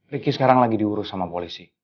ricky sekarang lagi diurus sama polisi